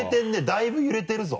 だいぶ揺れてるぞ。